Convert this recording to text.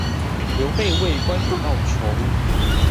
劉備為關羽報仇